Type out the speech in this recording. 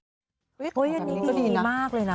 อันนี้คือดีมากเลยนะ